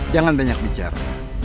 jangan banyak bicara